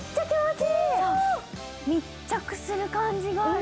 密着する感じがある。